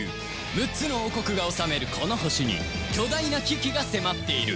６つの王国が治めるこの星に巨大な危機が迫っている